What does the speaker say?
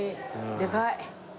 でかい。